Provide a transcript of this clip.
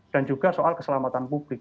dan juga soal keselamatan publik